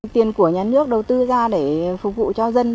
tiền của nhà nước đầu tư ra để phục vụ cho dân